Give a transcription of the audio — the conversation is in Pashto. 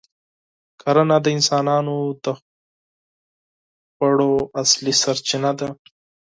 کرنه د انسانانو د خوراک اصلي سرچینه ده.